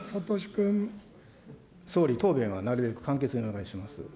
総理、答弁はなるべく簡潔にお願いします。